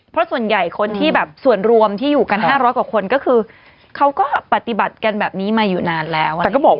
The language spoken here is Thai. เพราะส่วนใหญ่คนที่แบบส่วนรวมที่อยู่กัน๕๐๐กว่าคนก็คือเขาก็ปฏิบัติกันแบบนี้มาอยู่นานแล้ว